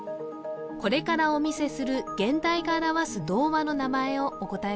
これからお見せする原題が表す童話の名前をお答え